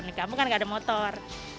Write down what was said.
di kampung kan nggak ada motor